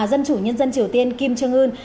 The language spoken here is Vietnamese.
dân chủ nhân dân triều tiên kim trương ưn